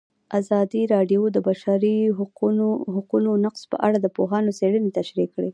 ازادي راډیو د د بشري حقونو نقض په اړه د پوهانو څېړنې تشریح کړې.